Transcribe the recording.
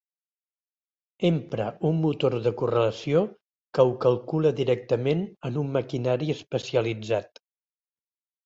Empra un motor de correlació que ho calcula directament en un maquinari especialitzat.